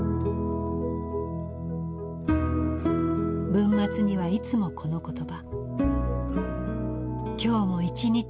文末にはいつもこの言葉。